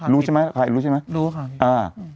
รู้ใช่ไหมใครรู้ใช่ไหมรู้ค่ะอ่า